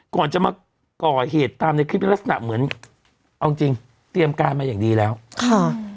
ก่อนจะมาก่อเหตุตามในคลิปในลักษณะเหมือนเอาจริงจริงเตรียมการมาอย่างดีแล้วค่ะ